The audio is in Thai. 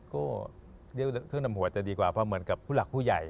ก็เรียกว่าเครื่องดำหัวจะดีกว่าเพราะเหมือนกับผู้หลักผู้ใหญ่